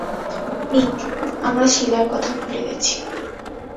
নিক, আমরা শীলার কথা ভুলে গেছি!